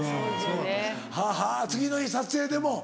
ははぁ次の日撮影でも。